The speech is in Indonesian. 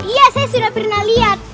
iya saya sudah pernah lihat